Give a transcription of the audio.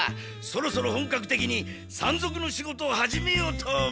そろそろ本格的に山賊の仕事を始めようと思う！